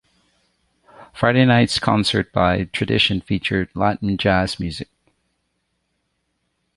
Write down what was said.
Friday night's concert by tradition featured Latin jazz music.